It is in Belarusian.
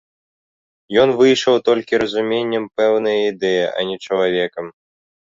Ён выйшаў толькі разуменнем пэўнае ідэі, а не чалавекам.